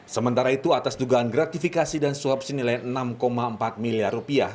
sementara itu atas dugaan gratifikasi dan suapsi nilai enam empat miliar rupiah